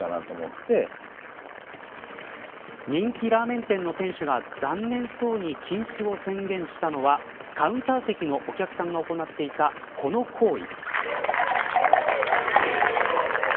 人気ラーメン店の店主が残念そうに禁止を宣言したのはカウンター席のお客さんが行っていたこの行為。